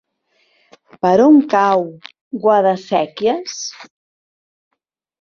Per on cau Guadasséquies?